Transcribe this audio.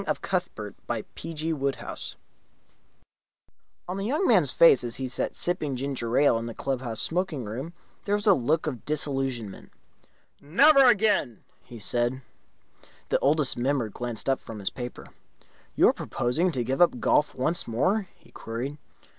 8 The Heel of Achilles On the young man's face, as he sat sipping his ginger ale in the club house smoking room, there was a look of disillusionment. "Never again!" he said. The Oldest Member glanced up from his paper. "You are proposing to give up golf once more?" he queried.